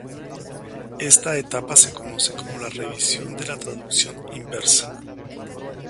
Esta etapa se conoce como la revisión de la traducción inversa.